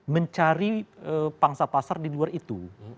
mencari pangsa pasar di luar itu